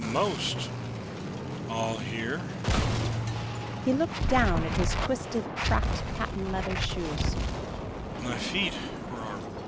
"I'm most all here!" He looked down at his twisted, cracked patent leather shoes.